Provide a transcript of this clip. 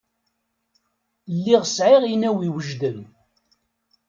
Lliɣ sεiɣ inaw iwejden.